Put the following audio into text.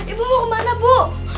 ibu mau kemana bu